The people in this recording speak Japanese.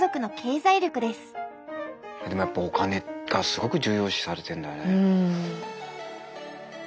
でもやっぱお金がすごく重要視されてんだね。